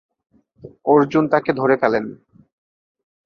অর্জুন তাকে ধরে ফেলেন।